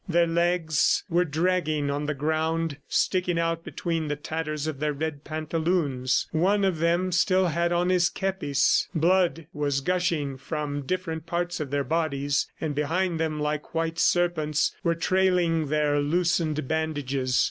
Their legs were dragging on the ground, sticking out between the tatters of their red pantaloons. One of them still had on his kepis. Blood was gushing from different parts of their bodies and behind them, like white serpents, were trailing their loosened bandages.